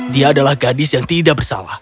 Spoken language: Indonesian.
dia adalah gadis yang tidak bersalah